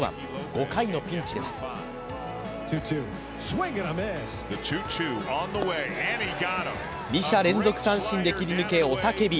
５回のピンチでは２者連続三振で切りぬけ雄たけび。